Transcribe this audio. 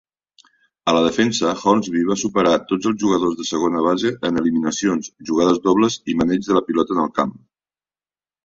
A la defensa, Hornsby va superar tots els jugadors de segona base en eliminacions, jugades dobles i maneig de la pilota en el camp.